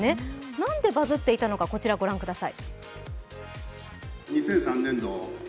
なんでバズっていたのかこちらご覧ください。